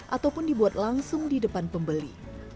ataupun dibuat langsung di depan pembeli